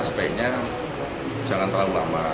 sebaiknya jangan terlalu lama